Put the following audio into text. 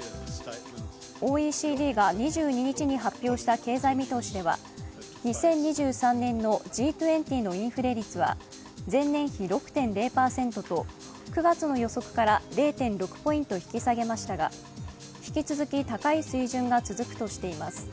ＯＥＣＤが２２日に発表した経済見通しでは２０２３年のＧ２０のインフレ率は前年比６．０％と９月の予測から０．６ポイント引き下げましたが引き続き、高い水準が続くとしています。